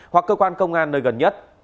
hoặc cơ quan công an nơi gần nhất